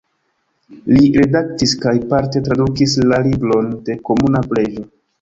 Li redaktis kaj parte tradukis "La Libron de Komuna Preĝo.